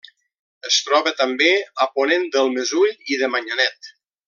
Es troba també a ponent del Mesull i de Manyanet.